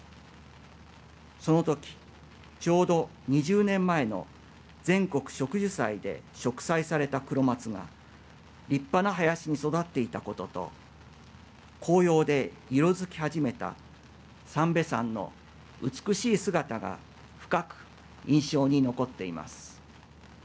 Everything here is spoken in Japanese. そのとき、ちょうど２０年前の全国植樹祭で植栽されたクロマツが立派な林に育っていたことと紅葉で色づき始めた三瓶山の美しい姿が深く印象に残っています。